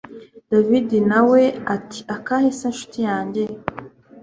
david nawe ati akahe se nshuti yanjye